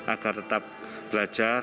agar tetap berpengalaman